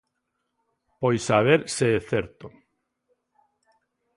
Pois a ver se é certo.